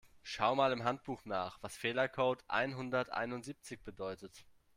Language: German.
Schau mal im Handbuch nach, was Fehlercode einhunderteinundsiebzig bedeutet.